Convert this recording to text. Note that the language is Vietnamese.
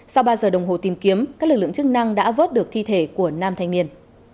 sau ba giờ đồng hồ tìm kiếm các lực lượng chức năng đã vớt được thi thể của nam thanh niên